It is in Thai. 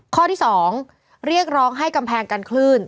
ข้อที่๒เรียกร้องให้กำแพงกันคลื่น